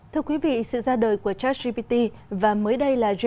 thưa quý vị sự ra đời của charles j p t và mới đây là jeremy d